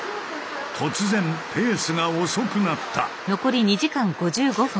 突然ペースが遅くなった。